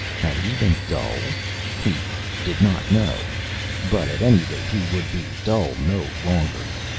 Had he been dull? He did not know; but at any rate he would be dull no longer.